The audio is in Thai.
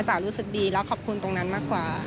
รู้สึกดีแล้วขอบคุณตรงนั้นมากกว่า